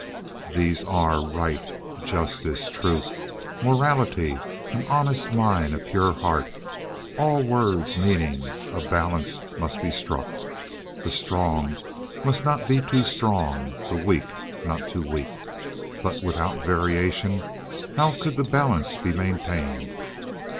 These are right, justice, truth, morality, an honest mind, a pure heart—all words meaning: a balance must be struck. The strong must not be too strong; the weak not too weak. But without variation how could the balance be maintained?